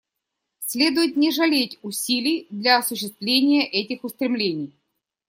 Следует не жалеть усилий для осуществления этих устремлений.